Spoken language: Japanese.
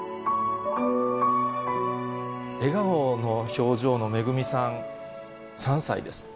笑顔の表情のめぐみさん、３歳ですって。